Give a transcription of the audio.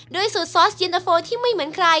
โดยสูตรซอสเย็นตเตอร์โฟที่ไม่เหมือนใคร